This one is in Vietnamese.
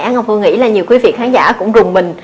ngọc hương nghĩ là nhiều quý vị khán giả cũng rùng mình